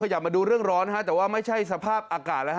อยากมาดูเรื่องร้อนแต่ว่าไม่ใช่สภาพอากาศแล้วฮ